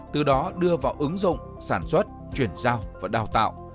từ đó đưa vào ứng dụng sản xuất chuyển giao và đào tạo